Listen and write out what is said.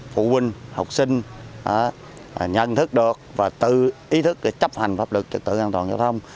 phụ huynh học sinh nhận thức được và tự ý thức để chấp hành pháp lực trực tượng an toàn giao thông